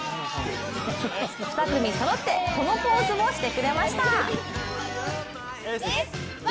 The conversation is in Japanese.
２組そろってこのポーズをしてくれました。